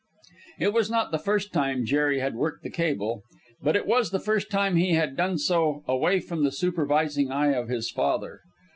It was not the first time Jerry had worked the cable, but it was the first time he had done so away from the supervising eye of his father.